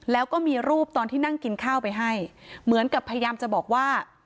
แล้วก็มีรูปตอนที่นั่งกินข้าวไปให้เหมือนกับพยายามจะบอกว่า